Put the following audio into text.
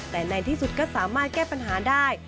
แต่ในที่สุดก็สามารถแก้ปัญหาได้